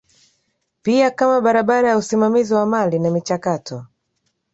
pia kama barabara ya usimamizi wa mali na michakato